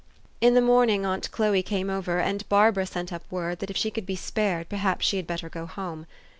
In the morning aunt Chloe came over, and Barbara sent up word, that, if she could be spared, perhaps she had better go home.